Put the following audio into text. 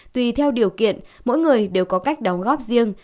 tùy theo điều kiện mỗi người đều có cách đóng góp riêng